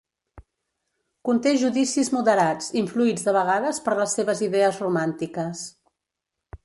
Conté judicis moderats, influïts de vegades per les seves idees romàntiques.